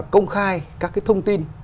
công khai các cái thông tin